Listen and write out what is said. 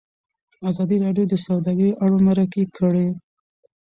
ازادي راډیو د سوداګري اړوند مرکې کړي.